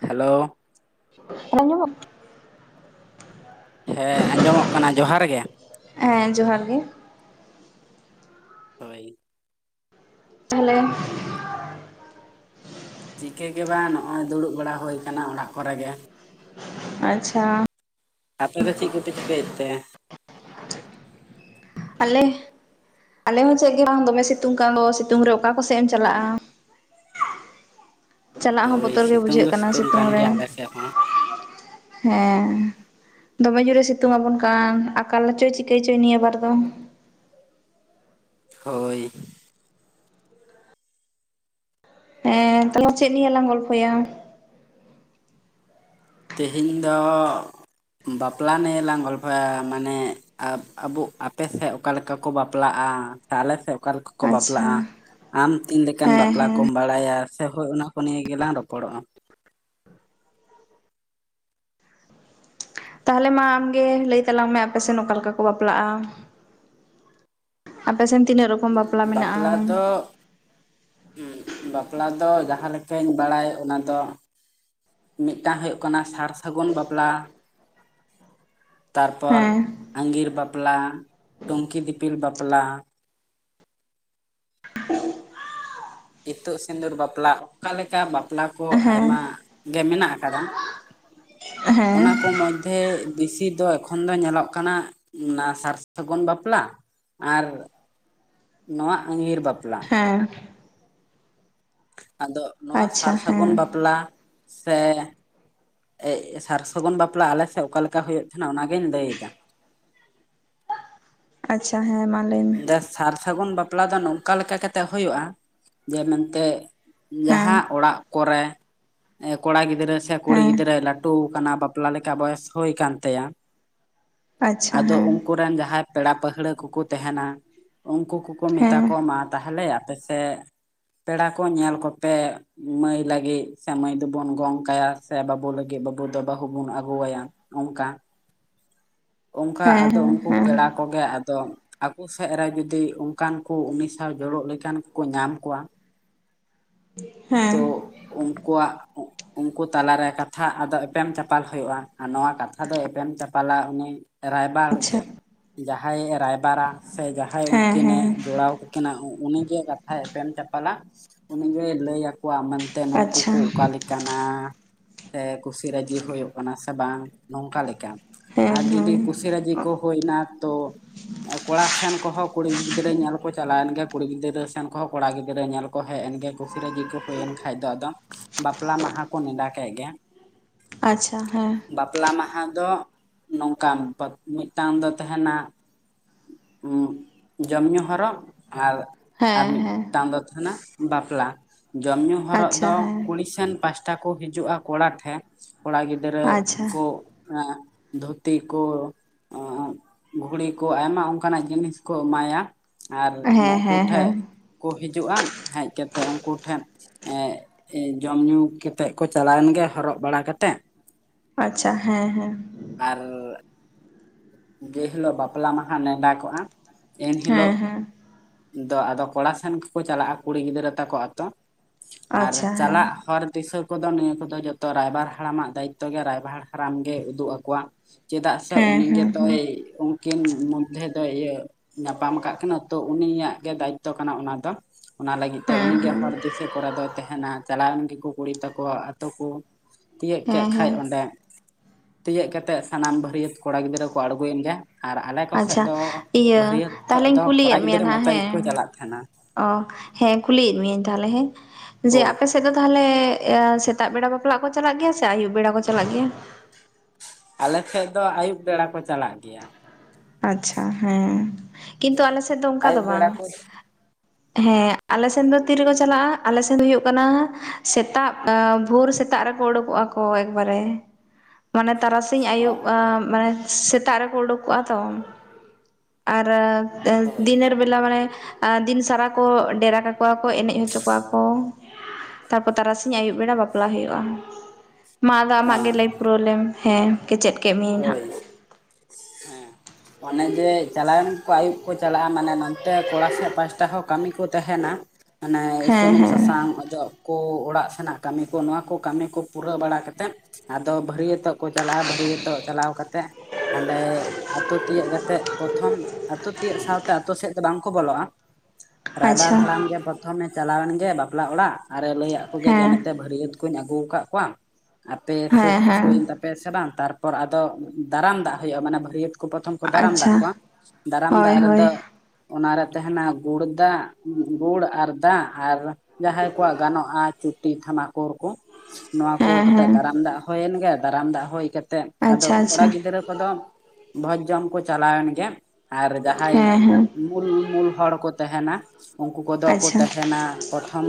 Hello. ᱟᱸᱡᱚᱢᱚᱜ ᱦᱮᱸ ᱟᱸᱡᱚᱢᱚᱜ ᱠᱟᱱᱟ ᱡᱚᱦᱟᱨ ᱜᱮ ᱦᱮᱸ ᱡᱚᱦᱟᱨ ᱜᱮ ᱦᱳᱭ ᱛᱟᱦᱚᱞᱮ ᱪᱤᱠᱟᱹ ᱜᱮ ᱵᱟᱝ ᱱᱚᱜᱼᱚᱭ ᱫᱩᱲᱩᱵ ᱵᱟᱲᱟ ᱦᱩᱭ ᱠᱟᱱᱟ ᱚᱲᱟᱜ ᱠᱚᱨᱮ ᱜᱮ ᱟᱪᱪᱷᱟ ᱟᱯᱮ ᱫᱚ ᱪᱮᱫ ᱠᱚᱯᱮ ᱪᱤᱠᱟᱹᱭᱮᱫ ᱛᱮ? ᱟᱞᱮ ᱟᱞᱮ ᱦᱚᱸ ᱪᱮᱫ ᱜᱮ ᱵᱟᱝ ᱫᱚᱢᱮ ᱥᱤᱛᱩᱝ ᱠᱟᱱ ᱫᱚ ᱥᱤᱛᱩᱝ ᱨᱮ ᱚᱠᱟ ᱠᱚᱥᱮᱫ ᱮᱢ ᱪᱟᱞᱟᱜᱼᱟ ᱾ ᱪᱟᱞᱟᱜ ᱦᱚᱸ ᱦᱳᱭ ᱵᱚᱛᱚᱨ ᱜᱮ ᱥᱤᱛᱩᱝ ᱫᱚ ᱵᱩᱡᱷᱟᱹᱜ ᱠᱟᱱᱟ ᱥᱤᱛᱩᱝ ᱠᱟᱱ ᱨᱮ ᱜᱮᱭᱟ ᱟᱞᱮ ᱥᱮᱫ ᱦᱚᱸ ᱦᱮᱸ ᱾ ᱫᱚᱢᱮ ᱡᱩᱨᱮ ᱥᱤᱛᱩᱝ ᱟᱵᱚᱱ ᱠᱟᱱ ᱟᱠᱟᱞᱪᱚᱭ ᱪᱤᱠᱟᱹᱭ ᱪᱚᱭ ᱱᱤᱭᱟᱹ ᱵᱟᱨ ᱫᱚ ᱾ ᱦᱳᱭ ᱾ ᱦᱮᱸ ᱛᱟᱦᱚᱞᱮ ᱪᱮᱫ ᱱᱤᱭᱟᱹ ᱞᱟᱝ ᱜᱚᱞᱯᱷᱚᱭᱟ? ᱛᱮᱦᱮᱧ ᱫᱚ ᱵᱟᱯᱞᱟ ᱱᱤᱭᱮ ᱞᱟᱝ ᱜᱚᱞᱯᱷᱚᱭᱟ ᱢᱟᱱᱮ ᱟᱵ ᱟᱵᱚ ᱟᱯᱮ ᱥᱮᱫ ᱚᱠᱟᱞᱮᱠᱟ ᱠᱚ ᱵᱟᱯᱞᱟᱜᱼᱟ ᱥᱮ ᱟᱞᱮᱥᱮᱫ ᱚᱠᱟᱮᱠᱟ ᱠᱚ ᱟᱪᱪᱷᱟ ᱵᱟᱯᱞᱟᱜᱼᱟ ᱟᱢ ᱛᱤᱱ ᱞᱮᱠᱟᱱ ᱦᱮᱸ ᱵᱟᱯᱞᱟ ᱦᱮᱸ ᱠᱚᱢ ᱵᱟᱲᱟᱭᱟ ᱥᱮ ᱦᱳᱭ ᱚᱱᱟ ᱠᱚ ᱱᱤᱭᱮ ᱜᱮᱞᱟᱝ ᱨᱚᱯᱚᱲᱚᱜᱼᱟ ᱾ ᱛᱟᱦᱚᱞᱮ ᱢᱟ ᱟᱢᱜᱮ ᱞᱟᱹᱭ ᱛᱟᱞᱟᱝ ᱢᱮ ᱟᱯᱮᱥᱮᱫ ᱚᱠᱟ ᱞᱮᱠᱟ ᱠᱚ ᱵᱟᱯᱞᱟᱜᱼᱟ? ᱟᱯᱮ ᱥᱮᱱ ᱛᱤᱱᱟᱹᱜ ᱨᱚᱠᱚᱢ ᱵᱟᱯᱞᱟ ᱢᱮᱱᱟᱜᱼᱟ? ᱵᱟᱯᱞᱟ ᱫᱚ ᱡᱟᱦᱟᱸ ᱞᱮᱠᱟᱧ ᱵᱟᱲᱟᱭ ᱚᱱᱟ ᱫᱚ ᱢᱤᱫᱴᱟᱝ ᱦᱩᱭᱩᱜ ᱠᱟᱱᱟ ᱥᱟᱨ ᱥᱟᱹᱜᱩᱱ ᱵᱟᱯᱞᱟ ᱾ ᱛᱟᱨᱯᱚᱨ ᱦᱮᱸ ᱟᱸᱜᱤᱨ ᱵᱟᱯᱞᱟ, ᱴᱩᱝᱠᱤ ᱫᱤᱯᱤᱞ ᱵᱟᱯᱞᱟ, ᱤᱛᱩᱫ ᱥᱤᱸᱫᱩᱨ ᱵᱟᱯᱞᱟ ᱚᱱᱠᱟ ᱞᱮᱠᱟ ᱵᱟᱯᱞᱟ ᱠᱚ ᱦᱮᱸ ᱟᱭᱢᱟ ᱜᱮ ᱢᱮᱱᱟᱜ ᱟᱠᱟᱫᱟ ᱦᱮᱸ ᱚᱱᱟ ᱠᱚ ᱢᱚᱫᱡᱽ ᱫᱷᱮ ᱵᱤᱥᱤ ᱫᱚ ᱮᱠᱷᱚᱱ ᱫᱚ ᱧᱮᱞᱚᱜ ᱠᱟᱱᱟ ᱚᱱᱟ ᱥᱟᱨ ᱥᱟᱹᱜᱩᱱ ᱵᱟᱯᱞᱟ ᱟᱨ ᱱᱚᱣᱟ ᱟᱸᱜᱤᱨ ᱵᱟᱯᱞᱟ ᱾ ᱦᱮᱸ ᱾ ᱟᱫᱚ ᱱᱚᱣᱟ ᱟᱪᱪᱷᱟ ᱥᱟᱨ ᱥᱟᱹᱜᱩᱱ ᱦᱮᱸ ᱵᱟᱯᱞᱟ ᱥᱮ ᱮ ᱥᱟᱨ ᱥᱟᱹᱜᱩᱱ ᱵᱟᱯᱞᱟ ᱟᱞᱮ ᱥᱮᱫ ᱚᱠᱟᱞᱮᱠᱟ ᱦᱩᱭᱩᱜ ᱛᱟᱦᱮᱱᱟ ᱚᱱᱟᱜᱤᱧ ᱞᱟᱹᱭ ᱮᱫᱟ ᱾ ᱟᱪᱪᱷᱟ ᱦᱮᱸ ᱢᱟ ᱞᱟᱹᱭ ᱢᱮ ᱾ ᱥᱟᱨ ᱥᱟᱹᱜᱩᱱ ᱵᱟᱯᱞᱟ ᱫᱚ ᱱᱚᱝᱠᱟ ᱞᱮᱠᱟ ᱠᱟᱛᱮᱜ ᱦᱩᱭᱩᱜᱳᱼᱟ ᱡᱮ ᱢᱮᱱᱛᱮ ᱦᱮᱸ ᱡᱟᱦᱟᱸ ᱚᱲᱟᱜ ᱠᱚᱨᱮ ᱮᱸ ᱠᱚᱲᱟ ᱜᱤᱫᱽᱨᱟᱹ ᱥᱮ ᱠᱩᱲᱤ ᱦᱮᱸ ᱜᱤᱫᱽᱨᱟᱹᱭ ᱞᱟᱹᱴᱩ ᱟᱠᱟᱱᱟ ᱵᱟᱯᱞᱟ ᱞᱮᱠᱟ ᱵᱚᱭᱚᱥ ᱦᱩᱭ ᱟᱠᱟᱱ ᱛᱟᱭᱟ [inaudible] ᱟᱪᱪᱷᱟ ᱟᱫᱚ ᱦᱮᱸ ᱩᱱᱠᱩ ᱨᱮᱱ ᱡᱟᱦᱟᱸᱭ ᱯᱮᱲᱟ ᱯᱟᱹᱦᱟᱹᱲᱟᱹ ᱠᱚᱠᱚ ᱛᱟᱦᱮᱱᱟ ᱩᱱᱠᱩ ᱠᱚ ᱠᱚ ᱢᱮᱛᱟ ᱦᱮᱸ ᱠᱚᱣᱟ ᱢᱟ ᱛᱟᱦᱚᱞᱮ ᱟᱯᱮ ᱥᱮᱫ ᱯᱮᱲᱟ ᱠᱚ ᱧᱮᱞ ᱠᱚᱯᱮ ᱢᱟᱹᱭ ᱞᱟᱹᱜᱤᱫ ᱥᱮ ᱢᱟᱹᱭ ᱫᱚᱵᱚᱱ ᱜᱚᱝᱠᱟᱭᱟ ᱥᱮ ᱵᱟᱹᱵᱩ ᱞᱟᱹᱜᱤᱫ ᱵᱟᱹᱵᱩ ᱫᱚ ᱵᱟᱹᱦᱩ ᱵᱚᱱ ᱟᱹᱜᱩᱣᱟᱭᱟ ᱾ ᱚᱱᱠᱟ, ᱚᱱᱠᱟ ᱟᱫᱚ ᱦᱮᱸ ᱦᱮᱸ ᱩᱱᱠᱩ ᱦᱮᱸ ᱯᱮᱲᱟ ᱠᱚᱜᱮ ᱟᱫᱚ ᱟᱠᱚ ᱥᱮᱫ ᱨᱮ ᱡᱩᱫᱤ ᱚᱱᱠᱟᱱ ᱠᱚ ᱩᱱᱤ ᱥᱟᱶ ᱡᱩᱲᱚᱜ ᱞᱮᱠᱟᱱ ᱠᱚᱠᱚ ᱧᱟᱢ ᱠᱚᱣᱟ [inaudible] ᱦᱮᱸ ᱾ ᱛᱚ ᱩᱱᱠᱩᱣᱟᱜ ᱩᱱᱠᱩ ᱛᱟᱞᱟᱨᱮ ᱠᱟᱛᱷᱟ ᱟᱫᱚ ᱮᱯᱮᱢ ᱪᱟᱯᱟᱞ ᱦᱩᱭᱩᱜᱼᱟ ᱟᱨ ᱱᱚᱶᱟ ᱠᱟᱛᱷᱟ ᱫᱚ ᱮᱯᱮᱢ ᱪᱟᱯᱟᱞᱟ ᱩᱱᱤ ᱨᱟᱭᱵᱟᱨ ᱟᱪᱪᱷᱟ ᱜᱮ ᱡᱟᱦᱟᱸᱭᱮ ᱨᱟᱭᱵᱟᱨᱟ ᱥᱮ ᱡᱟᱦᱟᱸᱭ ᱦᱮᱸ ᱩᱱᱠᱤᱱᱮ ᱦᱮᱸ ᱡᱚᱲᱟᱣ ᱠᱤᱱᱟ ᱩᱱᱤᱜᱮ ᱠᱟᱛᱷᱟᱭ ᱮᱯᱮᱢ ᱪᱟᱯᱟᱞᱟ ᱩᱱᱤᱜᱮ ᱞᱟᱹᱭ ᱭᱟᱠᱚᱣᱟ ᱢᱮᱱ ᱛᱮ ᱱᱩᱠᱩ ᱠᱚ ᱟᱪᱪᱷᱟ ᱠᱚ ᱚᱠᱟ ᱞᱮᱠᱟ ᱠᱟᱱᱟ ᱥᱮ ᱠᱩᱥᱤ ᱨᱟᱹᱡᱤ ᱦᱩᱭᱩᱜ ᱠᱟᱱᱟ ᱥᱮ ᱵᱟᱝ ᱱᱚᱝᱠᱟ ᱞᱮᱠᱟ ᱦᱮᱸ ᱟᱨ ᱡᱩᱫᱤ ᱦᱮᱸ ᱠᱩᱥᱤ ᱨᱟᱹᱡᱤ ᱠᱚ ᱦᱩᱭᱱᱟ ᱛᱚ ᱠᱚᱲᱟ ᱥᱮᱱ ᱠᱚᱦᱚᱸ ᱠᱩᱲᱤ ᱜᱤᱫᱽᱨᱟᱹ ᱧᱮᱞ ᱠᱚ ᱪᱟᱞᱟᱣ ᱮᱱ ᱜᱮ ᱠᱩᱲᱤ ᱜᱤᱫᱽᱨᱟᱹ ᱥᱮᱱ ᱠᱚᱦᱚᱸ ᱠᱚᱲᱟ ᱜᱤᱫᱽᱨᱟᱹ ᱧᱮᱞ ᱠᱚ ᱦᱮᱡ ᱮᱱ ᱜᱮ ᱠᱩ ᱥᱤ ᱨᱟᱹᱡᱤ ᱠᱚ ᱦᱩᱭᱮᱱ ᱠᱷᱟᱱ ᱫᱚ ᱟᱫᱚ ᱵᱟᱯᱞᱟ ᱢᱟᱦᱟ ᱠᱚ ᱱᱮᱰᱟ ᱠᱮᱫ ᱜᱮ ᱾ ᱟᱪᱪᱷᱟ ᱦᱮᱸ ᱾ ᱵᱟᱯᱞᱟ ᱢᱟᱦᱟ ᱫᱚ ᱱᱚᱝᱠᱟᱱ ᱢᱤᱫᱴᱟᱝ ᱫᱚ ᱛᱟᱦᱮᱱᱟ ᱡᱚᱢ ᱧᱩ ᱦᱚᱨᱚᱜ ᱟᱨ ᱟᱨ ᱦᱮᱸ ᱦᱮᱸ ᱢᱤᱫᱴᱟᱝ ᱫᱚ ᱛᱟᱦᱮᱱᱟ ᱵᱟᱯᱞᱟ ᱾ ᱡᱚᱢ ᱧᱩ ᱦᱚᱨᱚᱜ ᱟᱪᱪᱷᱟ ᱫᱚ ᱦᱮᱸ ᱠᱩᱲᱤ ᱥᱮᱱ ᱯᱟᱦᱴᱟ ᱠᱚ ᱦᱤᱡᱩᱜᱼᱟ ᱠᱚᱲᱟ ᱴᱷᱮᱱ ᱠᱚᱲᱟ ᱜᱤᱫᱽᱨᱟᱹᱼᱼ ᱜᱤᱫᱽᱨᱟᱹ ᱟᱪᱪᱷᱟ ᱠᱚ ᱫᱷᱩᱛᱤ ᱠᱚ ᱜᱷᱩᱲᱤᱼᱼ ᱟᱭᱢᱟ ᱚᱱᱠᱟᱱᱟᱜ ᱡᱤᱱᱤᱥ ᱠᱚ ᱮᱢᱟᱭᱟ ᱟᱨ ᱦᱮᱸ ᱦᱮᱸ ᱱᱩᱠᱩ ᱴᱷᱮᱱᱼᱼ ᱦᱮᱸ ᱠᱚ ᱦᱤᱡᱩᱜᱼᱟ ᱦᱮᱡ ᱠᱟᱛᱮᱫ ᱩᱱᱠᱩ ᱴᱷᱮᱱᱼᱼ ᱡᱚᱢ ᱧᱩ ᱠᱟᱛᱮᱫ ᱠᱚ ᱪᱟᱞᱟᱣᱮᱱ ᱜᱮ ᱦᱚᱨᱚᱜ ᱵᱟᱲᱟ ᱠᱟᱛᱮᱜ᱾ ᱟᱪᱪᱷᱟ ᱦᱮᱸ ᱦᱮᱸᱼᱼ ᱟᱨ ᱡᱮ ᱦᱤᱞᱳᱜ ᱵᱟᱯᱞᱟ ᱢᱟᱦᱟ ᱱᱮᱰᱟ ᱠᱚᱜᱼᱟ ᱮᱱᱦᱤᱞᱳᱜ ᱦᱮᱸ ᱦᱮᱸ ᱫᱚ ᱟᱫᱚ ᱠᱚᱲᱟ ᱥᱮᱱ ᱜᱮᱠᱚ ᱪᱟᱞᱟᱜᱼᱟ ᱠᱩᱲᱤ ᱜᱤᱫᱽᱨᱟᱹ ᱛᱟᱠᱚ ᱟᱛᱳ ᱟᱨ ᱟᱪᱪᱷᱟ ᱦᱮᱸ ᱪᱟᱞᱟᱜ ᱦᱚᱨ ᱫᱤᱥᱟᱹ ᱩᱱᱫᱚ ᱱᱤᱭᱟᱹ ᱠᱚᱫᱚ ᱡᱚᱛᱚ ᱨᱟᱭᱵᱟᱨ ᱦᱟᱲᱟᱢᱟᱜ ᱫᱟᱭᱤᱛᱛᱚ ᱜᱮ ᱨᱟᱭᱵᱟᱨ ᱦᱟᱲᱟᱢ ᱜᱮ ᱩᱫᱩᱜ ᱟᱠᱚᱣᱟ ᱪᱮᱫᱟᱜ ᱥᱮ ᱦᱮᱸ ᱩᱱᱤ ᱦᱮᱸ ᱜᱮᱛᱚᱭ ᱦᱮᱸ ᱩᱱᱠᱤᱱ ᱢᱚᱫᱽᱫᱷᱮ ᱫᱚᱭ ᱤᱭᱟᱹ ᱧᱟᱯᱟᱢ ᱟᱠᱟᱫ ᱠᱤᱱᱟ ᱛᱚᱼᱼ ᱩᱱᱤᱭᱟᱜ ᱜᱮ ᱫᱟᱭᱤᱛᱛᱚ ᱠᱟᱱᱟ ᱚᱱᱟ ᱫᱚ ᱚᱱᱟ ᱞᱟᱹᱜᱤᱫ ᱛᱮ ᱦᱮᱸ ᱩᱱᱤᱜᱮ ᱦᱮᱸ ᱦᱚᱲ ᱫᱤᱥᱟᱹ ᱠᱚᱨᱮ ᱫᱚᱭ ᱛᱟᱦᱮᱱᱟ᱾ ᱪᱟᱞᱟᱣᱮᱱ ᱜᱮᱠᱚ ᱠᱩᱲᱤ ᱛᱟᱠᱚ ᱟᱛᱳ ᱠᱚ ᱛᱤᱭᱳᱜ ᱦᱮᱸ ᱠᱮᱫ ᱠᱷᱟᱡ ᱦᱮᱸ ᱚᱸᱰᱮ ᱛᱤᱭᱳᱜ ᱠᱟᱛᱮᱜ ᱥᱟᱱᱟᱢ ᱵᱷᱟᱹᱨᱭᱟᱹᱛ ᱠᱚᱲᱟ ᱜᱤᱫᱽᱨᱟᱹ ᱠᱚ ᱟᱬᱜᱩᱭᱮᱱ ᱜᱮᱭᱟ ᱟᱨ ᱟᱞᱮ ᱠᱚ ᱥᱮᱫ ᱟᱪᱪᱷᱟ ᱫᱚ ᱤᱭᱟᱹ ᱵᱟᱹᱨᱭᱟᱹᱛᱚᱜ ᱛᱟᱦᱚᱞᱮᱧ ᱫᱚ ᱠᱚᱲᱟ ᱠᱩᱞᱤᱭᱮᱫ ᱢᱮᱭᱟ ᱜᱤᱫᱽᱨᱟᱹ ᱱᱟᱜ ᱢᱚᱛᱚ ᱜᱮᱠᱚ ᱦᱮᱸ ᱪᱟᱞᱟᱜ ᱛᱟᱦᱮᱱᱟ᱾ ᱚ ᱦᱮᱸ ᱠᱩᱞᱤᱭᱮᱫ ᱢᱤᱭᱟᱹᱧ ᱛᱟᱦᱚᱞᱮ ᱦᱮᱸ ᱡᱮ ᱦᱳᱭ ᱟᱯᱮ ᱥᱮᱫ ᱫᱚ ᱛᱟᱦᱚᱞᱮᱼᱼ ᱥᱮᱛᱟᱜ ᱵᱮᱲᱟ ᱵᱟᱯᱞᱟᱜ ᱠᱚ ᱪᱟᱞᱟᱜ ᱜᱮᱭᱟ ᱥᱮ ᱟᱹᱭᱩᱵ ᱵᱮᱲᱟ ᱠᱚ ᱪᱟᱞᱟᱜ ᱜᱮᱭᱟ᱾ ᱟᱞᱮᱥᱮᱫ ᱫᱚ ᱟᱹᱭᱩᱵ ᱵᱮᱲᱟ ᱠᱚ ᱪᱟᱞᱟᱜ ᱜᱮᱭᱟ᱾ ᱟᱪᱪᱷᱟ ᱦᱮᱸ ᱠᱤᱱᱛᱩ ᱟᱞᱮ ᱥᱮᱫ ᱫᱚ ᱚᱱᱠᱟ ᱫᱚ ᱟᱹᱭᱩᱵ ᱵᱟᱝ᱾ ᱵᱮᱲᱟ ᱠᱚ ᱦᱮᱸ ᱟᱞᱮᱥᱮᱱ ᱫᱚ ᱛᱤᱨᱮᱠᱚ ᱪᱟᱞᱟᱜᱼᱟ ᱟᱞᱮᱥᱮᱱ ᱫᱚ ᱦᱩᱭᱩᱜ ᱠᱟᱱᱟ ᱥᱮᱛᱟᱜ ᱵᱷᱳᱨ ᱥᱮᱛᱟᱜ ᱨᱮᱠᱚ ᱩᱰᱩᱠᱚᱜᱼᱟ ᱠᱚ ᱮᱠᱵᱟᱨᱮ [inaudible] ᱢᱟᱱᱮ ᱛᱟᱨᱟᱥᱤᱧ ᱟᱹᱭᱩᱵ ᱚ ᱢᱟᱱᱮ ᱥᱮᱛᱟᱜ ᱨᱮᱠᱚ ᱩᱰᱩᱠᱚᱜᱼᱟ᱾ ᱛᱚ ᱟᱨ ᱦᱳᱭ ᱫᱤᱱᱮᱨ ᱵᱮᱞᱟ ᱢᱟᱱᱮᱼᱼ ᱫᱤᱱ ᱥᱟᱨᱟ ᱠᱚ ᱰᱮᱨᱟ ᱠᱟᱠᱚᱣᱟ ᱠᱚ ᱮᱱᱮᱡ ᱦᱚᱪᱚ ᱠᱚᱣᱟ ᱠᱚ ᱛᱟᱨᱯᱚᱨ ᱛᱟᱨᱟᱥᱤᱧ ᱟᱹᱭᱩᱵ ᱵᱮᱲᱟ ᱵᱟᱯᱞᱟ ᱦᱩᱭᱩᱜᱼᱟ᱾ ᱢᱟ ᱟᱫᱚ ᱚ ᱟᱢᱟᱜ ᱜᱮ ᱞᱟᱹᱭ ᱯᱩᱨᱟᱹᱣ ᱞᱮᱢ ᱦᱮᱸ ᱠᱮᱪᱮᱫ ᱠᱮᱫᱢᱤᱭᱟᱹᱧ ᱦᱳᱭ ᱦᱮᱸ ᱚᱱᱮ ᱡᱮ ᱪᱟᱞᱟᱣ ᱮᱱ ᱠᱚ ᱟᱹᱭᱩᱵ ᱠᱚ ᱪᱟᱞᱟᱜᱼᱟ ᱢᱟᱱᱮᱼᱼ ᱛᱮ ᱠᱚᱲᱟ ᱥᱮᱫ ᱯᱟᱥᱴᱟ ᱦᱚᱸ ᱠᱟᱹᱢᱤ ᱠᱚ ᱛᱟᱦᱮᱱᱟ ᱢᱟᱱᱮ ᱦᱮᱸ ᱥᱩᱱᱩᱢ ᱦᱮᱸ ᱥᱟᱥᱟᱝ ᱚᱡᱚᱜ, ᱠᱚ ᱚᱲᱟᱜ ᱥᱮᱱᱟᱜ ᱠᱟᱹᱢᱤ ᱠᱚ ᱱᱚᱣᱟ ᱠᱚ ᱠᱟᱹᱢᱤ ᱠᱚ ᱯᱩᱨᱟᱹᱣ ᱵᱟᱲᱟ ᱠᱟᱛᱮᱫ ᱟᱫᱚ ᱵᱟᱹᱨᱭᱟᱹᱛᱚᱜ ᱠᱚ ᱪᱟᱞᱟᱜᱼᱟ ᱵᱷᱟᱹᱨᱭᱟᱹᱛᱚᱜ ᱪᱟᱞᱟᱣ ᱠᱟᱛᱮᱫ, ᱦᱟᱸᱰᱮ ᱟᱛᱳ ᱛᱤᱭᱳᱜ ᱠᱟᱛᱮᱜ ᱯᱨᱚᱛᱷᱚᱢ ᱟᱛᱳ ᱛᱤᱭᱳᱜ ᱥᱟᱶᱛᱮ ᱟᱛᱳ ᱥᱮᱫ ᱫᱚ ᱵᱟᱝ ᱠᱚ ᱵᱚᱞᱚᱜᱼᱟ᱾ [inaudible] ᱨᱟᱭᱵᱟᱨ ᱟᱪᱪᱷᱟ ᱦᱟᱲᱟᱢ ᱜᱮ ᱯᱨᱚᱛᱷᱚᱢᱮ ᱪᱟᱞᱟᱣᱮᱱ ᱜᱮ ᱵᱟᱯᱞᱟ ᱚᱲᱟᱜ ᱟᱨᱮ ᱞᱟᱹᱭᱟᱫ ᱠᱚᱜᱮ ᱡᱮ ᱦᱮᱸ ᱢᱮᱱᱛᱮ ᱵᱷᱟᱹᱨᱭᱟᱹᱛ ᱠᱩᱧ ᱟᱹᱜᱩ ᱟᱠᱟᱫ ᱠᱚᱣᱟ ᱟᱯᱮ ᱥᱟᱹᱛ ᱦᱮᱸ ᱦᱮᱸ ᱦᱩᱭᱮᱱ ᱛᱟᱯᱮ ᱥᱮ ᱵᱟᱝᱼᱼ ᱛᱟᱨᱯᱚᱨ ᱟᱫᱚ ᱫᱟᱨᱟᱢ ᱫᱟᱜ ᱦᱩᱭᱩᱜᱼᱟ ᱢᱟᱱᱮ ᱵᱟᱹᱨᱭᱟᱹᱛ ᱠᱚ ᱯᱨᱚᱛᱷᱚᱢ ᱠᱚ ᱫᱟᱨᱟᱢ ᱫᱟᱜ ᱟᱪᱪᱷᱟ ᱠᱚᱣᱟ ᱫᱟᱨᱟᱢ ᱦᱳᱭ ᱫᱟᱜ ᱦᱳᱭ ᱨᱮᱫᱚᱼᱼ ᱚᱱᱟᱨᱮ ᱛᱟᱦᱮᱱᱟ ᱜᱩᱲ ᱫᱟᱜ ᱜᱩᱲ ᱟᱨ ᱫᱟᱜ ᱟᱨᱼᱼ ᱡᱟᱦᱟᱸᱭ ᱠᱚᱣᱟᱜ ᱜᱟᱱᱚᱜᱼᱟ ᱪᱩᱴᱤ ᱛᱷᱟᱢᱟᱠᱩᱨ ᱠᱚ ᱱᱚᱣᱟ ᱠᱚ ᱦᱮᱸ ᱠᱟᱛᱮᱜ ᱦᱮᱸ ᱫᱟᱨᱟᱢ ᱫᱟᱜᱼᱼ ᱦᱩᱭᱮᱱ ᱜᱮ ᱫᱟᱨᱟᱢ ᱫᱟᱜ ᱦᱩᱭ ᱠᱟᱛᱮᱜ ᱟᱫᱚ ᱟᱪᱪᱷᱟ ᱠᱚᱲᱟ ᱟᱪᱪᱷᱟ ᱜᱤᱫᱽᱨᱟᱹ ᱠᱚᱫᱚ ᱵᱷᱚᱡᱽ ᱡᱚᱢ ᱠᱚ ᱪᱟᱞᱟ ᱣᱮᱱ ᱜᱮᱭᱟ ᱟᱨ ᱡᱟᱦᱟᱸᱭ ᱦᱮᱸ ᱦᱮᱸ ᱢᱩᱞ, ᱢᱩᱞ ᱦᱚᱲ ᱠᱚ ᱛᱟᱦᱮᱱᱟ ᱩᱱᱠᱩ ᱠᱚᱫᱚ ᱠᱚ ᱟᱪᱪᱷᱟ ᱛᱟᱦᱮᱱᱟ᱾ ᱯᱨᱚᱛᱷᱚᱢ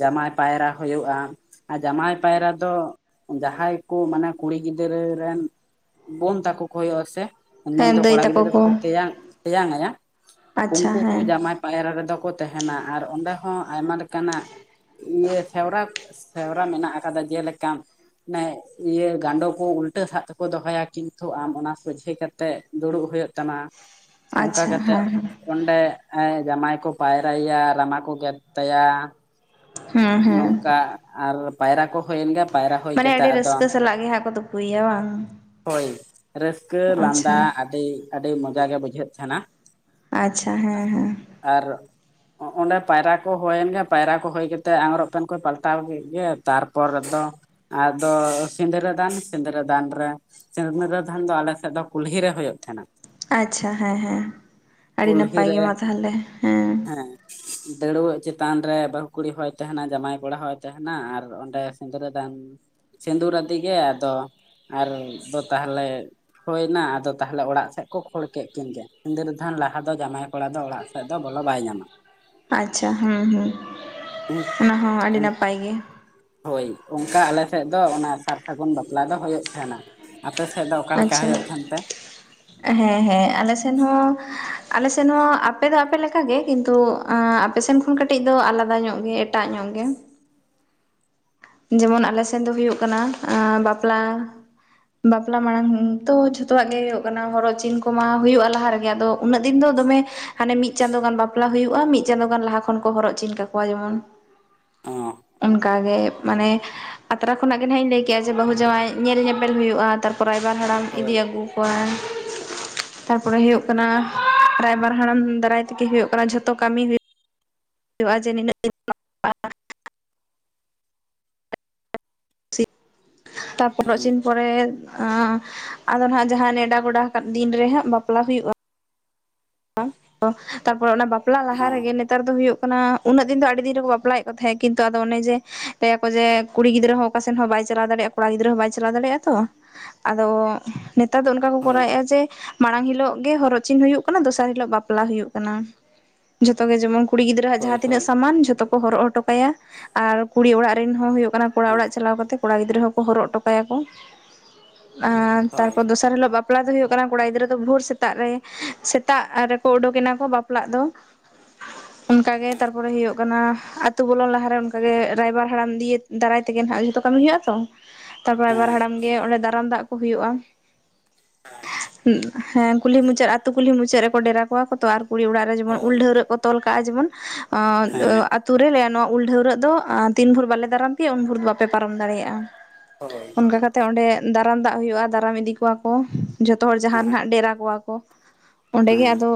ᱡᱟᱢᱟᱭ ᱯᱟᱭᱨᱟ ᱦᱩᱭᱩᱜᱼᱟ᱾ ᱟᱨ ᱡᱟᱢᱟᱭ ᱯᱟᱭᱨᱟ ᱫᱚ ᱡᱟᱦᱟᱸᱭ ᱠᱚ ᱢᱟᱱᱮ ᱠᱩᱲᱤ ᱜᱤᱫᱽᱨᱟᱹᱼᱼ ᱨᱮᱱ ᱵᱳᱱ ᱛᱟᱠᱚ ᱠᱚ ᱦᱳᱭᱳᱜ ᱟᱥᱮ? ᱱᱩᱭ ᱦᱮᱸ ᱫᱚ ᱫᱟᱹᱭ ᱠᱚᱲᱟ ᱛᱟᱠᱚ ᱜᱤᱫᱽᱨᱟᱹ ᱠᱚ ᱫᱚᱠᱚ ᱛᱮᱭᱟᱝ ᱛᱮᱭᱟᱝ ᱟᱭᱟ ᱟᱪᱪᱷᱟ ᱩᱱᱠᱩ ᱠᱚ ᱦᱮᱸ ᱡᱟᱢᱟᱭ ᱯᱟᱭᱨᱟ ᱨᱮᱫᱚ ᱠᱚ ᱛᱮᱦᱮᱱᱟ ᱟᱨ ᱚᱸᱰᱮ ᱦᱚᱸ ᱟᱭᱢᱟ ᱞᱮᱠᱟᱱᱟᱜ ᱤᱭᱟᱹ ᱥᱮᱣᱨᱟ ᱥᱮᱣᱨᱟ ᱢᱮᱱᱟᱜ ᱟᱠᱟᱫᱟ ᱡᱮᱞᱮᱠᱟ ᱱᱮ ᱤᱭᱟᱹ ᱜᱟᱸᱰᱚ ᱠᱚ ᱩᱞ ᱴᱟᱹ ᱥᱟᱜ ᱛᱮᱠᱚ ᱫᱚᱦᱚᱭᱟ ᱠᱤᱱᱛᱩ ᱟᱢ ᱚᱱᱟ ᱥᱚᱡᱷᱮ ᱠᱟᱛᱮᱫ ᱫᱩᱲᱩᱵ ᱦᱩᱭᱩᱜ ᱛᱟᱢᱟ᱾ ᱚᱝᱠᱟ ᱟᱪᱪᱷᱟ ᱠᱟᱛᱮᱜ ᱦᱮᱸ ᱦᱮᱸ ᱚᱸᱰᱮ ᱡᱟᱢᱟᱭ ᱠᱚ ᱯᱟᱭᱨᱟᱭ ᱭᱟ ᱨᱟᱢᱟ ᱠᱚ ᱜᱮᱫ ᱛᱟᱭᱟ᱾ ᱦᱮᱸ ᱦᱮᱸ ᱱᱚᱝᱠᱟ ᱟᱨ ᱯᱟᱭᱨᱟ ᱠᱚ ᱦᱳᱭᱮᱱ ᱜᱮᱭᱟ ᱯᱟᱭᱨᱟ ᱦᱳᱭ ᱠᱟᱛᱮ ᱟᱫᱚ ᱪᱟᱞᱟᱜ ᱜᱮ ᱦᱟᱸᱜ ᱠᱚᱫᱚ ᱯᱩᱭ ᱭᱟ ᱵᱟᱝ? ᱦᱳᱭ ᱨᱟᱹᱥᱠᱟᱹ ᱞᱟᱸᱫᱟ ᱟᱪᱪᱷᱟ ᱟᱹᱰᱤ ᱟᱹᱰᱤ ᱢᱚᱡᱟ ᱜᱮ ᱵᱩᱡᱷᱟᱹᱜ ᱛᱷᱟᱱᱟ᱾ ᱟᱪᱪᱷᱟ ᱦᱮᱸ ᱦᱮᱸ ᱟᱨ ᱚᱸ ᱚᱸᱰᱮ ᱯᱟᱭᱨᱟ ᱠᱚ ᱦᱳᱭᱮᱱ ᱜᱮ ᱯᱟᱭᱨᱟ ᱠᱚ ᱦᱳᱭ ᱠᱟᱛᱮᱜ ᱟᱝᱜᱽᱨᱚᱵᱽ ᱯᱮᱱ ᱠᱚ ᱯᱟᱞᱴᱟᱣ ᱠᱮᱜ ᱜᱮ ᱛᱟᱨᱯᱚᱨ ᱫᱚ ᱟᱫᱚ ᱥᱤᱸᱫᱽᱨᱟᱹ ᱫᱟᱱ, ᱥᱤᱫᱽᱨᱟᱹ ᱫᱟᱱ ᱨᱮ ᱥᱤᱫᱽᱨᱟᱹᱫᱷᱟᱱ ᱫᱚ ᱟᱞᱮᱥᱮᱫ ᱫᱚ ᱠᱩᱞᱦᱤ ᱨᱮ ᱦᱳᱭᱳᱜ ᱛᱷᱮᱸᱱᱟ᱾ ᱟᱪᱪᱷᱟ ᱦᱮᱸ ᱦᱮᱸ ᱟᱹᱰᱤ ᱠᱩᱞᱦᱤ ᱱᱟᱯᱟᱭ ᱜᱮ ᱨᱮ ᱢᱟ ᱛᱟᱦᱚᱞᱮ ᱦᱮᱸ, ᱫᱟᱹᱲᱣᱟᱹᱜ ᱪᱮᱛᱟᱱ ᱨᱮ ᱵᱟᱹᱦᱩ ᱠᱩᱲᱤ ᱦᱚᱭ ᱛᱟᱦᱮᱱᱟ ᱡᱟᱢᱟᱭ ᱠᱚᱲᱟ ᱦᱚᱭ ᱛᱟᱦᱮᱱᱟ ᱟᱨ ᱚᱸᱰᱮ ᱥᱤᱸᱫᱽᱨᱟᱹᱫᱟᱱ ᱥᱤᱸᱫᱷᱩᱨᱟᱫᱤ ᱜᱮ ᱟᱫᱚ ᱟᱨ ᱫᱚ ᱛᱟᱦᱞᱮ ᱦᱳᱭ ᱱᱟ ᱟᱫᱚ ᱛᱟᱦᱞᱮ ᱚᱲᱟᱜ ᱥᱮᱜ ᱠᱚ ᱠᱷᱳᱲ ᱠᱮᱜ ᱠᱤᱱ ᱜᱮ ᱥᱤᱸᱫᱨᱟᱫᱷᱟᱱ ᱞᱟᱦᱟ ᱫᱚ ᱡᱟᱢᱟᱭ ᱠᱚᱲᱟ ᱫᱚ ᱚᱲᱟᱜ ᱥᱮᱫ ᱫᱚ ᱵᱚᱞᱚ ᱵᱟᱭ ᱧᱟᱢᱟ᱾ ᱟᱪᱪᱷᱟ ᱦᱩᱸ ᱦᱩᱸ ᱩᱱ ᱚᱱᱟ ᱦᱚᱸ ᱟᱹᱰᱤ ᱱᱟᱯᱟᱭ ᱜᱮ᱾ ᱦᱳᱭ ᱚᱝᱠᱟ ᱟᱞᱮ ᱥᱮᱜ ᱫᱚ ᱚᱱᱟ ᱥᱟᱨ ᱥᱟᱹᱜᱩᱱ ᱵᱟᱯᱞᱟ ᱫᱚ ᱦᱳᱭᱳᱜ ᱛᱟᱦᱮᱸᱱᱟ, ᱟᱯᱮ ᱥ ᱥᱮᱫ ᱫᱚ ᱚᱠᱟᱞᱮᱠᱟ ᱟᱪᱪᱷᱟ ᱦᱳᱭᱳᱜ ᱛᱟᱦᱮᱱ ᱛᱮ? ᱦᱮᱸ ᱦᱮᱸ ᱟᱞᱮᱥᱱ ᱦᱚᱸ ᱟᱞᱮᱥᱮᱱ ᱦᱚᱸ ᱟᱯᱮ ᱫᱚ ᱟᱯᱮ ᱞᱮᱠᱟᱜᱮ ᱠᱤᱱᱛᱩ ᱟᱯᱮᱥᱮᱱ ᱠᱷᱚᱱ ᱠᱟᱹᱴᱤᱡ ᱫᱚ ᱟᱞᱟᱫᱟ ᱧᱚᱜ ᱜᱮ ᱮᱴᱟᱜ ᱧᱚᱜ ᱜᱮ, ᱡᱮᱢᱚᱱ ᱟᱞᱮᱥᱮᱱ ᱫᱚ ᱦᱩᱭᱩᱜ ᱠᱟᱱᱟ ᱟᱸ ᱵᱟᱯᱞᱟ ᱵᱟᱯᱞᱟ ᱢᱟᱲᱟᱝ ᱛᱚ ᱡᱷᱚᱛᱚᱣᱟᱜ ᱜᱮ ᱦᱩᱭᱩᱜ ᱠᱟᱱᱟ ᱦᱚᱨᱚᱜ ᱪᱤᱱ ᱠᱚᱢᱟ ᱦᱩᱭᱩᱜ-ᱟ ᱞᱟᱦᱟ ᱨᱮᱜᱮ ᱟᱫᱚ ᱩᱱᱟᱹᱜ ᱫᱤᱱ ᱫᱚ ᱫᱚᱢᱮ ᱦᱟᱱᱮ ᱢᱤᱜ ᱪᱟᱸᱫᱚ ᱜᱟᱱ ᱵᱟᱯᱞᱟ ᱦᱩᱭᱩᱜ-ᱟ ᱢᱤᱜ ᱪᱟᱸᱫᱚ ᱜᱟᱱ ᱞᱟᱦᱟ ᱠᱷᱚᱱ ᱠᱚ ᱦᱚᱨᱚᱜᱪᱤᱱ ᱠᱟᱠᱚᱣᱟ ᱡᱮᱢᱚᱱ᱾ ᱚ ᱚᱝᱠᱟ ᱜᱮ ᱢᱟᱱᱮ ᱟᱛᱨᱟ ᱠᱷᱚᱱᱟᱜ ᱜᱮ ᱱᱟᱦᱟᱜ ᱤᱧ ᱞᱮᱭ ᱠᱮᱜ-ᱟ ᱡᱮ ᱵᱟᱹᱦᱩ ᱡᱟᱶᱟᱭ ᱧᱮᱞ ᱧᱮᱯᱮᱞ ᱦᱩᱭᱩᱜ-ᱟ ᱛᱟᱨ ᱯᱚ ᱨᱟᱭᱵᱟᱨ ᱦᱟᱲᱟᱢ ᱤᱫᱤ ᱦᱳᱭ ᱟᱹᱜᱩ ᱠᱚᱣᱟᱭ ᱛᱟ ᱯᱚᱨᱮ ᱦᱩᱭᱩᱜ ᱠᱟᱱᱟ ᱨᱟᱭᱵᱟᱨ ᱦᱟᱲᱟᱢ ᱫᱟᱨᱟᱭ ᱛᱮᱜᱮ ᱦᱩᱭᱩᱜ ᱠᱟᱱᱟ ᱡᱷᱚᱛᱚ ᱠᱟᱹᱢᱤ [unintelligible] ᱦᱩᱸ [unintelligible] ᱯᱚᱨᱮ ᱟᱸ ᱟᱫᱚ ᱱᱟᱦᱟᱜ ᱡᱟᱦᱟᱸ ᱱᱮᱸᱰᱟ ᱜᱚᱰᱟ ᱟᱠᱟᱫ ᱫᱤᱱ ᱨᱮ ᱦᱟᱸᱜ ᱵᱟᱯᱞᱟ ᱦᱩᱭᱩᱜ-ᱟ᱾ ᱛᱟ ᱯᱚᱨ ᱚᱱᱟ ᱵᱟᱯᱞᱟ ᱞᱟᱦᱟ ᱚ ᱨᱮᱜᱮ ᱱᱮᱛ ᱛᱟᱨ ᱫᱚ ᱦᱩᱭᱩᱜ ᱠᱟᱱᱟ ᱩᱱᱟᱹᱜ ᱫᱤᱱ ᱫᱚ ᱟᱹᱰᱤ ᱫᱤᱱ ᱨᱮᱠᱚ ᱵᱟᱯᱞᱟᱭᱮᱜ ᱠᱚ ᱛᱷᱮᱜ ᱠᱤᱱᱛᱩ ᱟᱫᱚ ᱚᱱᱮ ᱡᱮ ᱞᱟᱹᱭᱟᱠᱚ ᱡᱮ ᱠᱩᱲᱤ ᱜᱤᱫᱽᱨᱟᱹ ᱦᱚᱸ ᱚᱠᱟᱥᱮᱱ ᱦᱚᱸ ᱵᱟᱭ ᱪᱟᱞᱟᱣ ᱫᱟᱲᱮᱭᱟᱜ-ᱟ ᱠᱚᱲᱟ ᱜᱤᱫᱽᱨᱟᱹ ᱦᱚᱸ ᱵᱟᱭ ᱪᱟᱞᱟᱣ ᱫᱟᱲᱮᱭᱟᱜ-ᱟ ᱛᱚ ᱟᱫᱚ ᱱᱮᱛ ᱛᱟᱨ ᱫᱚ ᱚᱱᱠᱟ ᱦᱳᱭ ᱠᱚᱨᱟᱣᱮᱜ-ᱟ ᱡᱮ ᱢᱟᱲᱟᱝ ᱦᱤᱞᱳᱜ ᱜᱮ ᱦᱚᱨᱚᱜ ᱪᱤᱱ ᱦᱩᱭᱩᱜ ᱠᱟᱱᱟ ᱫᱚᱥᱟᱨ ᱦᱤᱞᱳᱜ ᱵᱟᱯᱞᱟ ᱦᱩᱭᱩᱜ ᱠᱟᱱᱟ ᱡᱷᱚᱛᱚ ᱜᱮ ᱡᱮᱢᱚᱱ ᱠᱩᱲᱤ ᱜᱤᱫᱽᱨᱟᱹᱦᱟᱜ ᱦᱳᱭ ᱡᱟᱦᱟᱸ ᱛᱤᱱᱟᱹᱜ ᱦᱳᱭ ᱥᱟᱢᱟᱱ ᱡᱷᱚᱛᱚ ᱠᱚ ᱦᱚᱨᱚᱜ ᱦᱚᱴᱚ ᱠᱟᱭᱟ ᱟᱨ ᱠᱩᱲᱤ ᱚᱲᱟᱜ ᱨᱤᱱ ᱦᱚᱸ ᱦᱩᱭᱩᱜ ᱠᱟᱱᱟ ᱠᱚᱲᱟ ᱦᱮᱸ ᱚᱲᱟᱜ ᱪᱟᱞᱟᱣ ᱠᱟᱛᱮ ᱠᱚᱲᱟ ᱜᱤᱫᱽᱨᱟᱹ ᱦᱚᱸᱠᱚ ᱦᱚᱨᱚᱜ ᱴᱚ ᱠᱟᱭᱟᱠᱚ ᱟᱨ ᱦᱳᱭ ᱛᱟᱨᱯᱚᱨ ᱫᱚᱥᱟ ᱫᱚᱥᱟᱨ ᱦᱤᱞᱳᱜ ᱵᱟᱯᱞᱟ ᱫᱚ ᱦᱩᱭᱩᱜ ᱠᱟᱱᱟ ᱠᱚᱲᱟ ᱜᱤᱫᱽᱨᱟᱹ ᱫᱚ ᱵᱷᱳᱨ ᱥᱮᱛᱟᱜ ᱨᱮ ᱥᱮᱛ ᱛᱟᱜ ᱨᱮᱠᱚ ᱳᱰᱳᱠᱮᱱᱟ ᱠᱚ ᱵᱟᱯᱞᱟᱜ ᱫᱚ ᱚᱱᱠᱟ ᱜᱮ ᱦᱮᱸ ᱛᱟᱨᱯᱚᱨᱮ ᱦᱩᱭᱩᱜ ᱠᱟᱱᱟ ᱟᱹᱛᱩ ᱵᱚᱞᱚᱱ ᱞᱟᱦᱟᱨᱮ ᱚᱱᱠᱟᱜᱮ ᱨᱟᱭᱵᱟᱨ ᱦᱟᱲᱟᱢ ᱫᱤᱭᱮ ᱫᱟᱨᱟᱭ ᱛᱮᱜᱮ ᱱᱟᱜ ᱡᱚᱛᱚ ᱠᱟᱹᱢᱤ ᱦᱩᱭᱩᱜᱼᱟ ᱛᱚ ᱛᱟᱨᱯᱚᱨᱮ ᱨᱟᱭᱵᱟᱨ ᱦᱮᱸ ᱦᱟᱲᱟᱢ ᱜᱮ ᱚᱸᱰᱮ ᱫᱟᱨᱟᱢ ᱫᱟᱜ ᱠᱚ ᱦᱩᱭᱩᱜᱼᱟ ᱾ ᱦᱮᱸ ᱾ ᱦᱮᱸ ᱠᱩᱞᱦᱤ ᱢᱩᱪᱟᱹᱫ ᱟᱹᱛᱩ ᱠᱩᱞᱦᱤ ᱢᱩᱪᱟᱹᱫ ᱨᱮᱠᱚ ᱰᱮᱨᱟ ᱠᱚᱣᱟ ᱠᱚᱛᱚ ᱟᱨ ᱠᱩᱲᱤ ᱚᱲᱟᱜ ᱨᱮ ᱡᱮᱢᱚᱱ ᱩᱞ ᱦᱳᱭ ᱰᱷᱟᱹᱣᱨᱟᱹᱜ ᱠᱚ ᱛᱚᱞ ᱠᱟᱜᱼᱟ ᱡᱮᱢᱚᱱ ᱟᱸᱜ ᱦᱮᱸ ᱟᱹᱛᱩ ᱨᱮ ᱞᱮᱭᱟ ᱱᱚᱣᱟ ᱩᱞ ᱰᱷᱟᱹᱣᱨᱟᱹᱜ ᱫᱚ ᱛᱤᱱ ᱵᱷᱳᱨ ᱵᱟᱞᱮ ᱫᱟᱨᱟᱢ ᱯᱮᱭᱟ ᱩᱱ ᱵᱷᱳᱨ ᱫᱚ ᱵᱟᱯᱮ ᱯᱟᱨᱚᱢ ᱫᱟᱲᱮᱭᱟᱜᱼᱟ ᱾ ᱦᱳᱭ ᱾ ᱚᱝᱠᱟ ᱠᱟᱛᱮᱜ ᱚᱸᱰᱮ ᱫᱟᱨᱟᱢ ᱫᱟᱜ ᱦᱩᱭᱩᱜᱼᱟ ᱫᱟᱨᱟᱢ ᱤᱫᱤ ᱠᱚᱣᱟ ᱠᱚ ᱡᱚᱛᱚ ᱦᱚᱲ ᱡᱟᱦᱟᱸ ᱨᱮ ᱦᱮᱸ ᱱᱟᱜ ᱰᱮᱨᱟ ᱠᱚᱣᱟ ᱠᱚ ᱚᱸᱰᱮ ᱜᱮ ᱦᱮᱸ ᱟᱫᱚ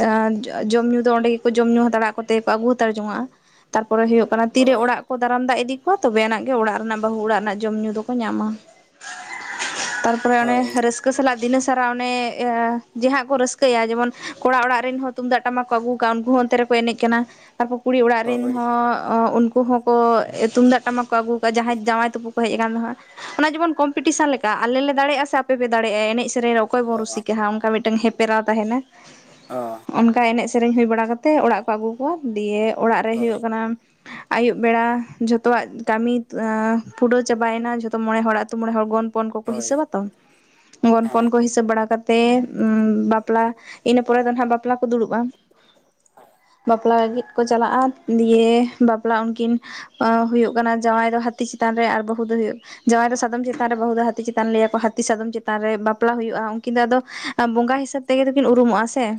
ᱟᱸ ᱡᱚᱢ ᱧᱩ ᱫᱚ ᱚᱸᱰᱮ ᱜᱮᱠᱚ ᱡᱚᱢ ᱧᱩ ᱦᱟᱛᱟᱲᱟ ᱟᱠᱚ ᱛᱮᱜᱮ ᱠᱚ ᱟᱹᱜᱩ ᱦᱟᱛᱟᱲ ᱡᱚᱝᱟᱜᱼᱟ ᱛᱟᱨᱯᱚᱨᱮ ᱦᱩᱭᱩᱜ ᱠᱟᱱᱟ ᱛᱤᱨᱮ ᱦᱳᱭ ᱚᱲᱟᱜ ᱠᱚ ᱫᱟᱨᱟᱢ ᱫᱟᱜ ᱤᱫᱤ ᱠᱚᱣᱟ ᱛᱚᱵᱮ ᱮᱱᱟᱝ ᱜᱮ ᱚᱲᱟᱜ ᱨᱮᱱᱟᱜ ᱵᱟᱹᱦᱩ ᱚᱲᱟᱜ ᱨᱮᱱᱟᱜ ᱡᱚᱢ ᱧᱩ ᱫᱚᱠᱚ ᱧᱟᱢᱟ, ᱛᱟᱨᱯᱚᱨᱮ ᱚᱱᱮ ᱦᱳᱭ ᱨᱟᱹᱥᱠᱟᱹ ᱥᱟᱞᱟᱜ ᱫᱤᱱᱟᱹ ᱥᱟᱨᱟ ᱚᱱᱮ ᱡᱟᱦᱟᱸ ᱠᱚ ᱨᱟᱹᱥᱠᱟᱹᱭᱟ ᱡᱮᱢᱚᱱ ᱠᱚᱲᱟ ᱚᱲᱟᱜ ᱨᱮᱱ ᱦᱚᱸ ᱛᱩᱢᱫᱟᱜ ᱴᱟᱢᱟᱠ ᱠᱚ ᱟᱹᱜᱩ ᱠᱟᱜᱼᱟ ᱩᱱᱠᱩ ᱦᱚᱸ ᱚᱱᱛᱮ ᱨᱮᱠᱚ ᱮᱱᱮᱡ ᱠᱟᱱᱟ ᱛᱟᱨᱯᱚᱨ ᱠᱩᱲᱤ ᱚᱲᱟᱜ ᱨᱮᱱ ᱦᱳᱭ ᱦᱚᱸ ᱩᱱᱠᱩ ᱦᱚᱸᱠᱚ ᱛᱩᱢᱫᱟᱜ ᱴᱟᱢᱟᱠ ᱠᱚ ᱟᱹᱜᱩ ᱠᱟᱜᱼᱟ ᱡᱟᱦᱟᱸᱭ ᱡᱟᱶᱟᱭ ᱛᱩᱯᱩ ᱠᱚ ᱦᱮᱡ ᱟᱠᱟᱱ ᱫᱚ ᱦᱟᱸᱜ ᱚᱱᱟ ᱡᱮᱢᱚᱱ ᱠᱚᱢᱯᱤᱴᱤᱥᱚᱱ ᱞᱮᱠᱟ ᱟᱞᱮ ᱞᱮ ᱫᱮᱲᱮᱭᱟᱜᱼᱟ ᱥᱮ ᱟᱯᱮ ᱯᱮ ᱫᱟᱲᱮᱭᱟᱜᱼᱟ ᱮᱱᱮᱡ ᱥᱮ ᱥᱮᱨᱮᱧ ᱨᱮ ᱚᱠᱚᱭ ᱵᱚᱱ ᱚ ᱨᱩᱥᱤᱠᱟ ᱦᱟ ᱚᱱᱠᱟ ᱢᱤᱫᱴᱟᱝ ᱦᱮᱯᱮᱨᱟᱣ ᱛᱟᱦᱮᱱᱟ ᱾ ᱚᱻ ᱾ ᱚᱱᱠᱟ ᱮᱱᱮᱡ ᱥᱮᱨᱮᱧ ᱦᱩᱭ ᱵᱟᱲᱟ ᱠᱟᱛᱮ ᱚᱲᱟᱜ ᱠᱚ ᱟᱹᱜᱩ ᱠᱚᱣᱟ ᱫᱤᱭᱮ ᱚᱲᱟᱜ ᱨᱮ ᱦᱳᱭ ᱦᱳᱭᱳᱜ ᱠᱟᱱᱟ ᱟᱹᱭᱩᱵ ᱵᱮᱲᱟ ᱡᱷᱚᱛᱚᱣᱟᱜ ᱠᱟᱹᱢᱤ ᱟᱸ ᱯᱩᱨᱟᱹᱣ ᱪᱟᱵᱟᱭᱮᱱᱟ ᱡᱚᱛᱚ ᱢᱚᱬᱮ ᱦᱚᱲᱟᱜ ᱟᱹᱛᱩ ᱢᱚᱬᱮ ᱦᱚᱲ ᱜᱚᱱᱯᱚᱱ ᱠᱚᱠᱚ ᱦᱳᱭ ᱦᱤᱥᱟᱹᱵᱽ ᱟ ᱛᱚ ᱦᱮᱸ ᱜᱚᱱᱯᱚᱱ ᱠᱚ ᱦᱤᱥᱟᱹᱵ ᱵᱟᱲᱟ ᱠᱟᱛᱮᱜ ᱵᱟᱯᱞᱟ ᱤᱱᱟᱹ ᱯᱚᱨᱮ ᱫᱚ ᱱᱟᱦᱟᱜ ᱵᱟᱯᱞᱟ ᱠᱚ ᱫᱩᱲᱩᱵᱼᱟ, ᱵᱟᱯᱞᱟ ᱞᱟᱹᱜᱤᱫ ᱠᱚ ᱪᱟᱞᱟᱜᱼᱟ ᱫᱤᱭᱮ ᱵᱟᱯᱞᱟ ᱩᱱᱠᱤᱱ ᱦᱩᱭᱩᱜ ᱠᱟᱱᱟ ᱡᱟᱶᱟᱭ ᱫᱚ ᱦᱟᱹᱛᱤ ᱪᱤᱛᱟᱱ ᱨᱮ, ᱟᱨ ᱵᱟᱹᱦᱩ ᱫᱚ ᱦᱩᱭᱩᱜ ᱡᱟᱶᱟᱭ ᱫᱚ ᱥᱟᱫᱚᱢ ᱪᱮᱛᱟᱱ ᱨᱮ ᱵᱟᱹᱦᱩ ᱫᱚ ᱦᱟᱹᱛᱤ ᱪᱤᱛᱟᱱ ᱞᱟᱹᱭᱟᱠᱚ ᱦᱟᱹᱛᱤ ᱥᱟᱫᱚᱢ ᱪᱮᱛᱟᱱ ᱨᱮ ᱵᱟᱯᱞᱟ ᱦᱩᱭᱩᱜᱼᱟ ᱩᱱᱠᱤᱱ ᱫᱚ ᱟᱫᱚ ᱵᱚᱸᱜᱟ ᱦᱤᱥᱟᱹᱵ ᱛᱮᱜᱮ ᱫᱚᱠᱤᱱ ᱩᱨᱩᱢᱚᱜᱼᱟ ᱥᱮ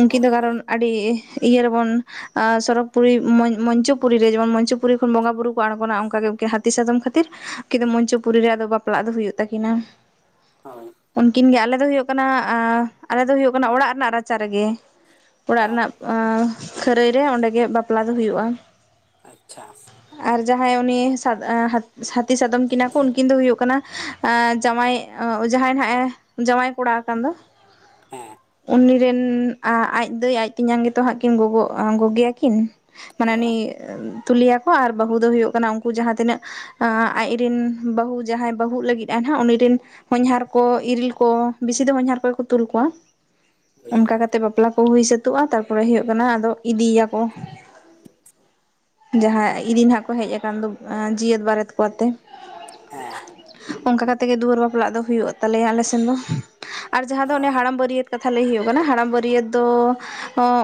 ᱩᱱᱠᱤᱱ ᱦᱳᱭ ᱫᱚ ᱦᱳᱭ ᱠᱟᱨᱚᱱ ᱟᱹᱰᱤ ᱤᱭᱟᱹ ᱨᱮᱵᱚᱱ ᱥᱚᱨᱚᱜᱽᱯᱩᱨᱤ ᱢᱚᱧᱪᱚᱯᱩᱨᱤ ᱨᱮ ᱡᱮᱢᱚᱱ ᱢᱚᱧᱪᱚᱯᱩᱨᱤ ᱠᱷᱚᱱ ᱵᱚᱸᱜᱟ ᱵᱩᱨᱩ ᱠᱚ ᱟᱬᱜᱚᱱᱟ ᱚᱱᱠᱟᱜᱮ ᱦᱟᱹᱛᱤ ᱥᱟᱫᱚᱢ ᱠᱷᱟᱹᱛᱤᱨ ᱠᱤᱱᱛᱩ ᱢᱚᱧᱪᱚᱯᱩᱨᱤ ᱨᱮ ᱟᱫᱚ ᱵᱟᱯᱞᱟᱜ ᱫᱚ ᱦᱩᱭᱩᱜ ᱛᱟᱹᱠᱤᱱᱟ, ᱦᱳᱭ ᱩᱱᱠᱤᱱ ᱜᱮ ᱟᱞᱮ ᱫᱚ ᱦᱩᱭᱩᱜ ᱠᱟᱱᱟ ᱟᱞᱮ ᱫᱚ ᱦᱩᱭᱩᱜ ᱠᱟᱱᱟ ᱚᱲᱟᱜ ᱨᱮᱱᱟᱜ ᱨᱟᱪᱟ ᱨᱮᱜᱮ, ᱚ ᱚᱲᱟᱜ ᱨᱮᱱᱟᱜ ᱠᱷᱟᱹᱨᱟᱹᱭ ᱨᱮ ᱚᱸᱰᱮᱜᱮ ᱵᱟᱯᱞᱟ ᱫᱚ ᱦᱩᱭᱩᱜᱼᱟ ᱾ ᱟᱪᱪᱷᱟ ᱾ ᱟᱨ ᱡᱟᱦᱟᱸᱭ ᱩᱱᱤ ᱥᱟᱫ ᱦᱟᱹᱛᱤ ᱥᱟᱫᱚᱢ ᱠᱤᱱᱟ ᱠᱚ ᱩᱱᱠᱤᱱ ᱫᱚ ᱦᱩᱭᱩᱜ ᱠᱟᱱᱟ ᱟᱸ ᱡᱟᱶᱟᱭ ᱡᱟᱦᱟᱸᱭ ᱱᱟᱦᱟᱜ ᱮ ᱡᱟᱶᱟᱭ ᱠᱚᱲᱟ ᱠᱟᱱ ᱫᱚ ᱦᱮᱸ ᱩᱱᱤ ᱨᱮᱱ ᱟᱡ ᱫᱟᱹᱭ ᱟᱡ ᱛᱤᱧᱟᱝ ᱜᱮᱛᱚ ᱦᱟᱸᱜ ᱠᱤᱱ ᱜᱚᱜᱚᱜ ᱟᱸ ᱜᱚᱜᱮᱭᱟᱠᱤᱱ ᱚ ᱢᱟᱱᱮ ᱩᱱᱤ ᱛᱩᱞᱤᱭᱟᱠᱚ ᱟᱨ ᱵᱟᱹᱦᱩ ᱫᱚ ᱦᱩᱭᱩᱜ ᱠᱟᱱᱟ ᱩᱱᱠᱩ ᱡᱟᱦᱟᱸ ᱛᱤᱱᱟᱹᱜ ᱟᱸ ᱟᱡᱨᱤᱱ ᱵᱟᱹᱦᱩ ᱡᱟᱦᱟᱸᱭ ᱵᱟᱹᱦᱩᱜ ᱞᱟᱹᱜᱤᱫ ᱟᱭ ᱦᱟᱸᱜ ᱩᱱᱤᱨᱤᱱ ᱦᱚᱧᱦᱟᱨ ᱠᱚ ᱤᱨᱤᱞ ᱠᱚ ᱵᱤᱥᱤ ᱫᱚ ᱦᱚᱧᱦᱟᱨ ᱠᱚᱜᱮ ᱠᱚ ᱛᱩᱞ ᱠᱚᱣᱟ, ᱦᱳᱭ ᱚᱱᱠᱟ ᱠᱟᱛᱮᱜ ᱵᱟᱯᱞᱟ ᱠᱚ ᱦᱩᱭ ᱥᱟᱹᱛᱳᱜᱼᱟ ᱛᱟᱨᱯᱚᱨᱮ ᱦᱩᱭᱩᱜ ᱠᱟᱱᱟ ᱟᱫᱚ ᱤᱫᱤᱭᱟᱠᱚ, ᱡᱟᱦᱟᱸᱭ ᱤᱫᱤᱧ ᱦᱟᱸᱜ ᱠᱚ ᱦᱮᱡ ᱟᱠᱟᱱ ᱫᱚ ᱡᱤᱭᱟᱹᱛ ᱵᱟᱨᱮᱛ ᱠᱚ ᱟᱛᱮ ᱦᱮᱸ ᱚᱱᱠᱟ ᱠᱟᱛᱮ ᱜᱮ ᱫᱩᱣᱟᱹᱨ ᱵᱟᱯᱞᱟᱜ ᱫᱚ ᱦᱩᱭᱩᱜ ᱛᱟᱞᱮᱭᱟ ᱟᱞᱮ ᱥᱮᱱ ᱫᱚ ᱟᱨ ᱡᱟᱦᱟᱸ ᱫᱚ ᱚ ᱚᱱᱮ ᱦᱟᱲᱟᱢ ᱵᱟᱹᱨᱭᱟᱹᱛ ᱠᱟᱛᱷᱟ ᱞᱟᱹᱭ ᱦᱩᱭᱩᱜ ᱠᱟᱱᱟ ᱦᱟᱲᱟᱢ ᱵᱟᱹᱨᱭᱟᱹᱛ ᱫᱚ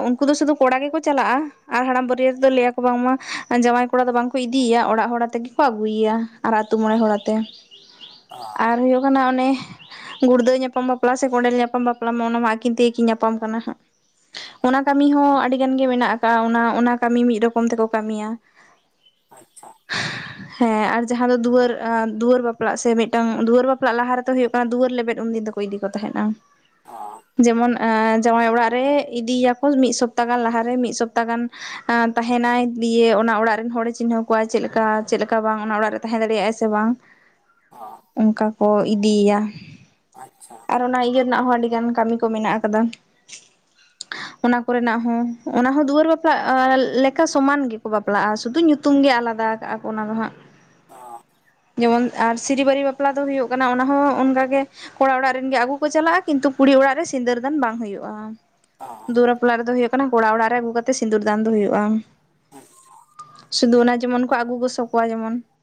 ᱩᱱᱠᱩ ᱫᱚ ᱥᱩᱫᱩ ᱠᱚᱲᱟ ᱜᱮᱠᱚ ᱪᱟᱞᱟᱜᱼᱟ ᱟᱨ ᱦᱟᱲᱟᱢ ᱵᱟᱹᱨᱭᱟᱹᱛ ᱫᱚ ᱞᱟᱹᱭᱟᱠᱚ ᱵᱟᱝᱢᱟ ᱡᱟᱶᱟᱭ ᱠᱚᱲᱟ ᱫᱚ ᱵᱟᱝ ᱠᱚ ᱤᱫᱤᱭᱟ ᱚᱲᱟᱜ ᱦᱚᱲᱟᱛᱮ ᱜᱤᱠᱚ ᱟᱹᱜᱩᱭᱟ ᱾ ᱟᱨ ᱟᱹᱛᱩ ᱢᱚᱬᱮ ᱦᱚᱲ ᱟᱛᱮ ᱚ ᱟᱨ ᱦᱩᱭᱩᱜ ᱠᱟᱱᱟ ᱚᱱᱮ ᱜᱩᱲᱫᱟᱹᱣ ᱧᱟᱯᱟᱢ ᱵᱟᱯᱞᱟ ᱥᱮ ᱠᱚᱸᱰᱮᱞ ᱧᱟᱯᱟᱢ ᱵᱟᱯᱞᱟ ᱢᱟ ᱚᱱᱟ ᱢᱟ ᱟᱹᱠᱤᱱ ᱛᱮᱜᱮᱠᱤᱱ ᱧᱟᱯᱟᱢ ᱠᱟᱱᱟ ᱦᱟᱸᱜ ᱚᱱᱟ ᱠᱟᱹᱢᱤ ᱦᱚᱸ ᱟᱹᱰᱤ ᱜᱟᱱ ᱜᱮ ᱢᱮᱱᱟᱜ ᱠᱟᱜᱼᱟ ᱚᱱᱟ ᱚᱱᱟ ᱠᱟᱹᱢᱤ ᱦᱚᱸ ᱢᱤᱫ ᱨᱚᱠᱚᱢ ᱛᱮᱠᱚ ᱠᱟᱹᱢᱤᱭᱟ ᱟᱪᱪᱷᱟ ᱦᱮᱸ ᱟᱨ ᱡᱟᱦᱟᱸ ᱫᱚ ᱫᱩᱣᱟᱹᱨ ᱫᱩᱣᱟᱹᱨ ᱵᱟᱯᱞᱟᱜ ᱥᱮ ᱢᱤᱫᱴᱟᱝ ᱫᱩᱣᱟᱹᱨ ᱵᱟᱯᱞᱟᱜ ᱞᱟᱦᱟ ᱨᱮᱛᱚ ᱦᱳᱭᱳᱜ ᱠᱟᱱᱟ ᱫᱩᱣᱟᱹᱨ ᱞᱮᱵᱮᱫ ᱩᱱᱫᱤᱱ ᱫᱚ ᱦᱩᱭ ᱤᱫᱤ ᱠᱚ ᱛᱟᱦᱮᱸᱱᱟ ᱚ ᱡᱮᱢᱚᱱ ᱡᱟᱶᱟᱭ ᱚᱲᱟᱜ ᱨᱮ ᱤᱫᱤᱭᱟᱠᱚ ᱢᱤᱫ ᱥᱚᱯᱛᱟ ᱜᱟᱱ ᱞᱟᱦᱟᱨᱮ ᱢᱤᱫ ᱥᱚᱯᱛᱟ ᱜᱟᱱ ᱟᱸ ᱛᱟᱦᱮᱱᱟᱭ ᱫᱤᱭᱮ ᱚᱱᱟ ᱚᱲᱟᱜ ᱨᱮᱱ ᱦᱚᱲᱮ ᱪᱤᱱᱦᱟᱹᱣ ᱠᱚᱣᱟᱭ ᱪᱮᱫᱞᱮᱠᱟ ᱪᱮᱫᱞᱮᱠᱟ ᱵᱟᱝ ᱚᱱᱟ ᱚᱲᱟᱜ ᱨᱮ ᱛᱟᱦᱮᱸ ᱫᱟᱲᱮᱭᱟᱜ ᱟᱭ ᱥᱮ ᱵᱟᱝ ᱚ ᱚᱝᱠᱟ ᱠᱚ ᱤᱫᱤᱭ ᱭᱟ ᱟᱪᱪᱷᱟ ᱟᱨ ᱚᱱᱟ ᱤᱭᱟᱹ ᱨᱮᱱᱟᱜ ᱦᱚᱸ ᱟᱹᱰᱤᱜᱟᱱ ᱠᱟᱹᱢᱤ ᱠᱚ ᱢᱤᱱᱟᱜ ᱟᱠᱟᱫᱟ [inaudible] ᱚᱱᱟ ᱠᱚᱨᱮᱸᱱᱟᱜ ᱦᱚᱸ ᱚᱱᱟᱦᱚᱸ ᱫᱩᱣᱟᱹᱨ ᱵᱟᱯᱞᱟᱜ ᱞᱮᱠᱟ ᱥᱚᱢᱟᱱ ᱜᱤᱠᱚ ᱵᱟᱯᱞᱟᱜᱼᱟ ᱥᱩᱫᱩ ᱧᱩ ᱛᱩᱢ ᱜᱮ ᱟᱞᱟᱫᱟ ᱠᱟᱜᱼᱟ ᱠᱚ ᱚᱱᱟ ᱫᱚ ᱦᱟᱸᱜ ᱚ ᱡᱮᱢᱚᱱ ᱟᱨ ᱥᱤᱨᱤ ᱵᱟᱹᱨᱤ ᱵᱟᱯᱞᱟ ᱫᱚ ᱦᱳᱭᱳᱜ ᱠᱟᱱᱟ ᱚᱱᱟ ᱦᱚᱸ ᱚᱱᱠᱟ ᱜᱮ ᱠᱚᱲᱟ ᱚᱲᱟᱜ ᱨᱮᱱ ᱜᱮ ᱟᱹᱜᱩ ᱠᱚ ᱪᱟᱞᱟᱜᱼᱟ ᱠᱤᱱᱛᱩ ᱠᱩᱲᱤ ᱚᱲᱟᱜ ᱨᱮ ᱥᱤᱸᱫᱟᱹᱨ ᱫᱟᱱ ᱵᱟᱝ ᱦᱩᱭᱩᱜᱼᱟ ᱚ ᱫᱩᱣᱟᱹᱨ ᱵᱟᱯᱞᱟ ᱨᱮᱫᱚ ᱦᱳᱭᱳᱜ ᱠᱟᱱᱟ ᱠᱚᱲᱟ ᱚᱲᱟᱜ ᱨᱮ ᱟᱹᱜᱩ ᱠᱟᱛᱮ ᱥᱤᱸᱫᱩᱨ ᱫᱟᱱ ᱫᱚ ᱦᱳᱭᱳᱜᱼᱟ ᱟᱪᱪᱷᱟ ᱥᱩᱫᱩ ᱚᱱᱟ ᱡᱮᱢᱚᱱ ᱠᱚ ᱟᱹᱜᱩ ᱜᱚᱥᱚ ᱠᱚᱣᱟ ᱡᱮᱢᱚᱱ